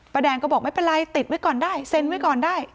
แดงก็บอกไม่เป็นไรติดไว้ก่อนได้เซ็นไว้ก่อนได้